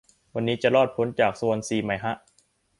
วันนี้จะรอดพ้นจากสวอนซีไหมฮะ